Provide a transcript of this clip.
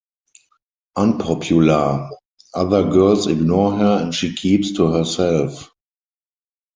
Unpopular; other girls ignore her and she keeps to herself.